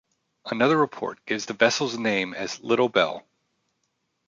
Another report gives the vessel's name as "Little Bell".